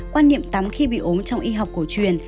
quan niệm tắm khi bị ốm trong y học cổ truyền